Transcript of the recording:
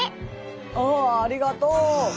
おおありがとう。